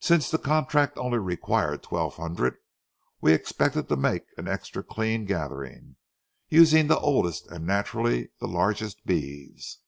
Since the contract only required twelve hundred, we expected to make an extra clean gathering, using the oldest and naturally the largest beeves.